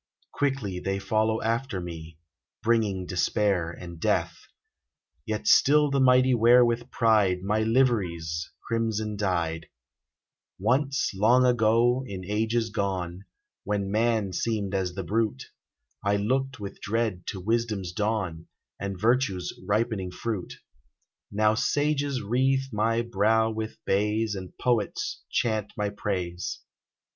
Quickly they follow after me. Bringing despair and death ; Yet still the mighty wear with pride My liveries, crimson dyed ! 1 08 WAR Once, long ago, in ages gone. When man seemed as the brute, I looked with dread to wisdom's dawn, And virtue's ripening fruit : Now sages wreathe my brow with bays, And poets chant my praise.